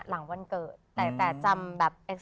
หลังวันเกิดแต่จำแบบ